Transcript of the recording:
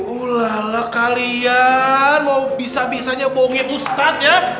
udah lah kalian mau bisa bisanya bohongin ustadz ya